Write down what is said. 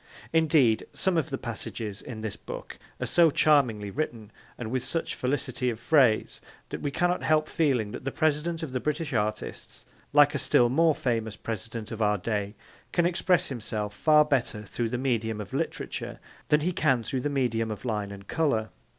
Indeed, some of the passages in this book are so charmingly written and with such felicity of phrase that we cannot help feeling that the President of the British Artists, like a still more famous President of our day, can express himself far better through the medium of literature than he can through the medium of line and colour.